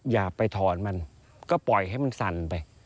อย่าไปถอนมันก็ปล่อยให้มันสั่นไป